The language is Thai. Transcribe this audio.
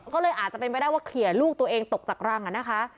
ก็เลยอาจจะเป็นไปได้ว่าเคลียร์ลูกตัวเองตกจากรังนะคะ